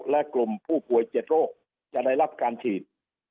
และกลุ่มผู้ป่วย๗โรคจะได้รับการฉีด